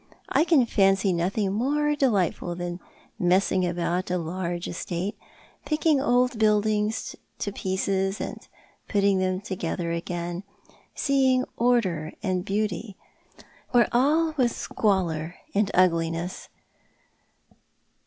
I can fancy nothing more delightful than messing about a large estate, picking old buildings to pieces and putting them together again ; seeing order and beauty where all was squalor and ugliness." Cora expatiates.